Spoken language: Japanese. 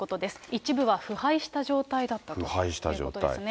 一部は腐敗した状態だったということですね。